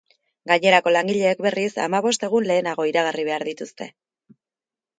Gainerako langileek, berriz, hamabost egun lehenago iragarri behar dituzte.